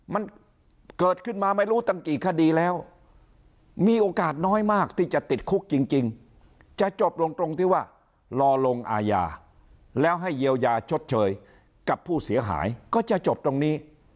มันเกิดขึ้นมาไม่รู้ตั้งกี่คดีแล้วมีโอกาสน้อยมากที่จะติดคุกจริงจะจบลงตรงที่ว่ารอลงอาญาแล้วให้เยียวยาชดเชยกับผู้เสียหายก็จะจบตรงนี้